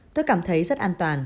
tôi cảm thấy rất an toàn